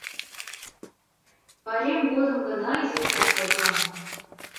— Пайрем годым гына изишак подылам.